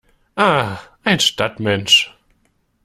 Ah, ein Stadtmensch!